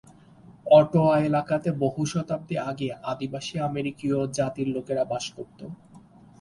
Ottawa এলাকাতে বহু শতাব্দী আগে আদিবাসী আমেরিকীয় জাতির লোকেরা বাস করত।